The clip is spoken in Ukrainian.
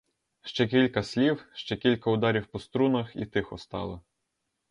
Ще кілька слів, ще кілька ударів по струнах, і тихо стало.